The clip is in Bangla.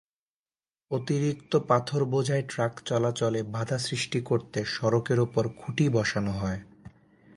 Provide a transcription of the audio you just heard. অতিরিক্ত পাথরবোঝাই ট্রাক চলাচলে বাধা সৃষ্টি করতে সড়কের ওপর খুঁটি বসানো হয়।